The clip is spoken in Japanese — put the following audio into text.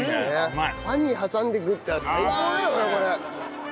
パンに挟んで食ったら最高だよねこれ。